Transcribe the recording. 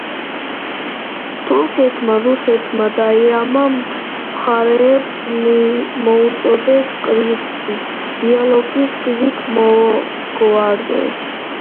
თურქეთმა, რუსეთმა და ირანმა მხარეებს მოუწოდეს კრიზისი დიალოგის გზით მოაგვარონ.